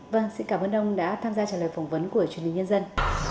vâng xin cảm ơn ông đã tham gia trả lời phỏng vấn của truyền hình nhân dân